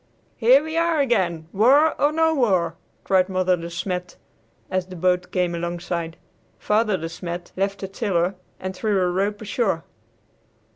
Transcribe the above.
"Here we are again, war or no war!" cried Mother De Smet, as the boat came alongside. Father De Smet left the tiller and threw a rope ashore.